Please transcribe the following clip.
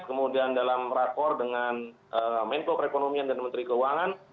kemudian dalam rapor dengan menko kerekonomian dan menteri keuangan